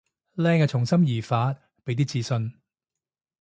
靚係從心而發，畀啲自信